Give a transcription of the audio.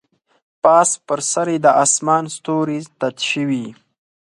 پاس پر سر یې د اسمان ستوري تت شوي